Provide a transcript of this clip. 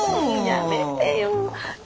やめてよ。